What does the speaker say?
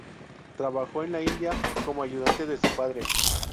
Trabajó en la India como ayudante de su padre.